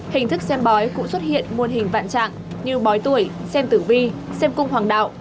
hình thức xem bói cũng xuất hiện muôn hình vạn trạng như bói tuổi xem tử vi xem cung hoàng đạo